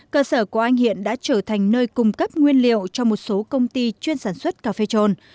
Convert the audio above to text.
cơ sở của anh hiện đã trở thành nơi cung cấp nguyên liệu cho một số công ty chuyên sản xuất cà phê trôn